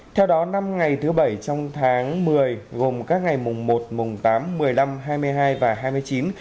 theo đó năm ngày thứ bảy trong tháng một mươi gồm các ngày mùng một mùng tám một mươi năm hai mươi hai và hai mươi chín